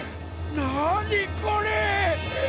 なにこれ！